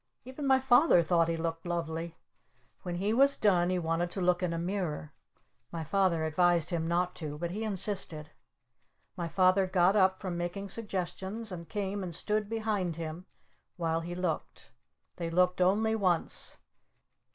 Even my Father thought he looked lovely! When he was done he wanted to look in a mirror. My Father advised him not to. But he insisted. My Father got up from making suggestions and came and stood behind him while he looked. They looked only once.